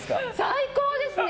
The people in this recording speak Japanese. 最高ですね。